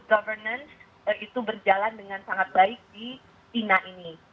dan juga memastikan proses good governance itu berjalan dengan sangat baik di tina ini